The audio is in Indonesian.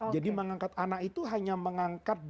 jadi mengangkat anak itu hanya mengangkat dia